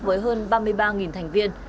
với hơn ba mươi ba thành viên